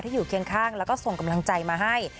อยู่เคียงข้างแล้วก็ส่งกำลังใจมาให้